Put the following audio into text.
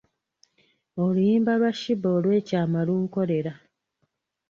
Oluyimba lwa Sheebah olw’ekyama lunkolera.